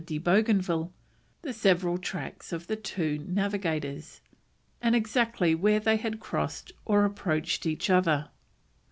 de Bougainville, the several tracks of the two navigators, and exactly where they had crossed or approached each other.